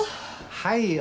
はいよ。